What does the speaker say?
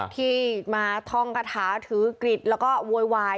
ที่มาท่องกระถาถือกริดแล้วก็โวยวาย